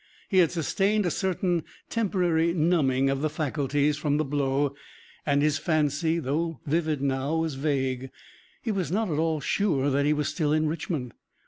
He had sustained a certain temporary numbing of the faculties from the blow and his fancy, though vivid now, was vague. He was not at all sure that he was still in Richmond.